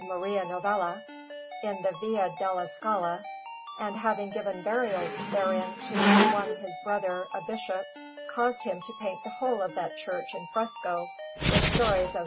Maria Novella, in the Via della Scala, and having given burial therein to one his brother, a Bishop, caused him to paint the whole of that church in fresco with stories of S.